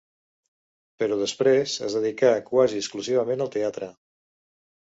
Però després es dedica quasi exclusivament al teatre.